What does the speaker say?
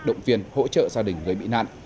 động viên hỗ trợ gia đình gây bị nạn